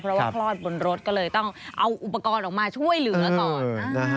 เพราะว่าคลอดบนรถก็เลยต้องเอาอุปกรณ์ออกมาช่วยเหลือก่อน